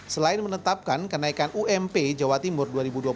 selain menetapkan kenaikan ump jawa timur dua ribu dua puluh